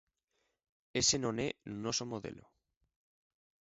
Ese non é noso modelo.